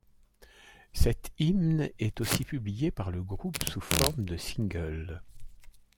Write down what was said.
Cet hymne est aussi publié par le groupe sous forme de single.